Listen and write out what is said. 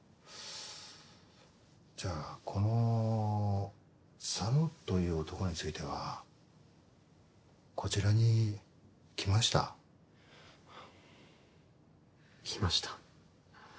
じゃあこの佐野という男についてはこちらに来ました？来ました。